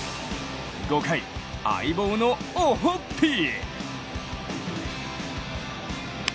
５回、相棒のオホッピー。